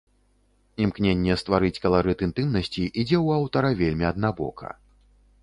Імкненне стварыць каларыт інтымнасці ідзе ў аўтара вельмі аднабока.